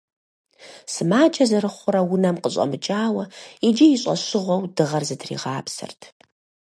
Сымаджэ зэрыхъурэ унэм къыщӏэмыкӏауэ, иджы и щӏэщыгъуэу дыгъэр зытригъапсэрт.